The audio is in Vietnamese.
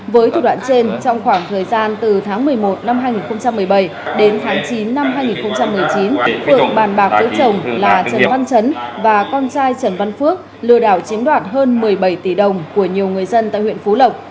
với thủ đoạn trên trong khoảng thời gian từ tháng một mươi một năm hai nghìn một mươi bảy đến tháng chín năm hai nghìn một mươi chín phượng bàn bạc với chồng là trần văn chấn và con trai trần văn phước lừa đảo chiếm đoạt hơn một mươi bảy tỷ đồng của nhiều người dân tại huyện phú lộc